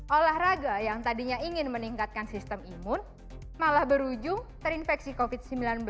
olahraga yang tadinya ingin meningkatkan sistem imun malah berujung terinfeksi covid sembilan belas